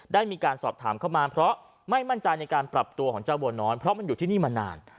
ได้มีการสอบถามเข้ามาเพราะไม่มั่นใจในการปรับตัวของเจ้าบัวน้อยเพราะมันอยู่ที่นี่มานาน